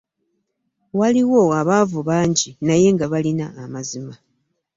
Waliwo abaavu bangi naye nga balina amazima.